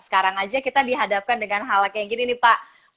sekarang aja kita dihadapkan dengan hal kayak gini nih pak